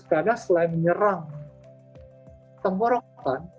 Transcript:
karena selain menyerang tenggorokan